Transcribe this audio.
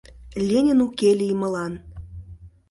Ленин уке лиймылан